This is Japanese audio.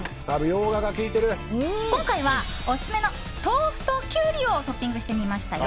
今回はオススメの豆腐とキュウリをトッピングしてみましたよ。